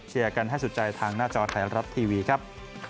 กันให้สุดใจทางหน้าจอไทยรัฐทีวีครับ